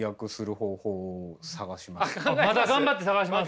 まだ頑張って探します？